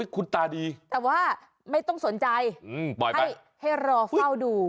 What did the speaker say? คุณตาดีแต่ว่าไม่ต้องสนใจให้รอเฝ้าดู